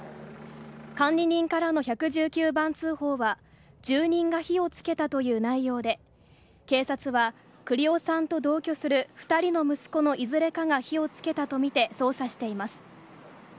管理人からの１１９番通報は、住人が火をつけたという内容で、警察は栗尾さんと同居する２人の息子のいずれかが火をつけたと見て、捜査しています。